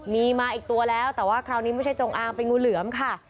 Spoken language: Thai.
มีมาอีกตัวแล้วแต่ว่าคราวนี้ไม่ใช่จงอางเป็นงูเหลือมค่ะ